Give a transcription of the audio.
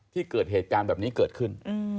เกิดเหตุการณ์แบบนี้เกิดขึ้น